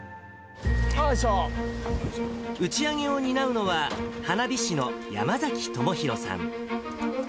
打ち上げを担うのは、花火師の山崎智弘さん。